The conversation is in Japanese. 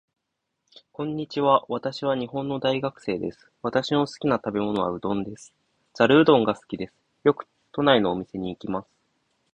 こんにちは。私は日本の大学生です。私の好きな食べ物はうどんです。ざるうどんが好きです。よく都内のお店に行きます。